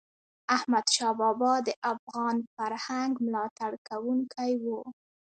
احمدشاه بابا د افغان فرهنګ ملاتړ کوونکی و.